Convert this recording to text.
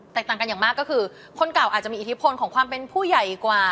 ต่างกันอย่างมากก็คือคนเก่าอาจจะมีอิทธิพลของความเป็นผู้ใหญ่กว่า